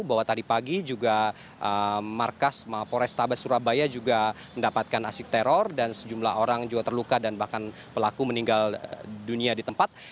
bahwa tadi pagi juga markas mapo restabes surabaya juga mendapatkan asik teror dan sejumlah orang juga terluka dan bahkan pelaku meninggal dunia di tempat